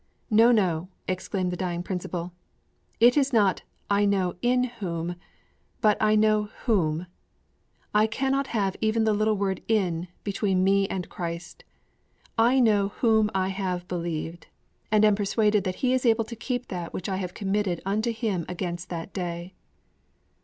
'No, no,' exclaimed the dying Principal, 'it is not "I know in whom" but "I know whom"; I cannot have even the little word "in" between me and Christ. _I know whom I have believed, and am persuaded that He is able to keep that which I have committed unto Him against that day!